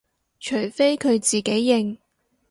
除非佢自己認